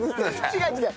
違う違う。